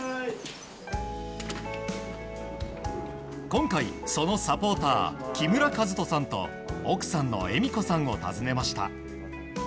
今回、そのサポーター木村和人さんと奥さんの恵美子さんを訪ねました。